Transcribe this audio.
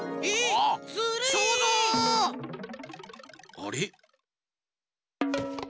あれ？